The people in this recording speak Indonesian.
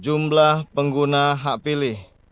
jumlah pengguna hak pilih